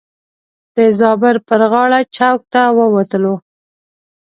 د زابر پر غاړه چوک ته ووتلو.